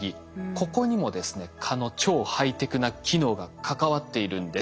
ここにもですね蚊の超ハイテクな機能が関わっているんです。